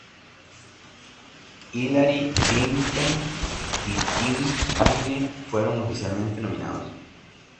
Hillary Clinton y Tim Kaine fueron oficialmente nominados.